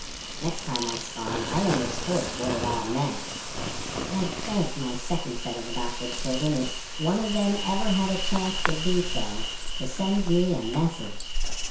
Next time I spawned I understood what it all meant. I begged my second set of adopted children if one of them ever had a chance to do so to send me a message.